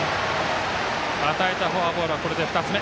与えたフォアボールはこれで２つ目。